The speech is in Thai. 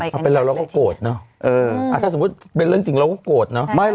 เช่นแต่เป็นเรื่องจริงเราก็โกรธนะ